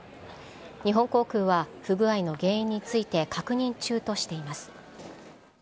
日本航空は、不具合の原因について確認中としています。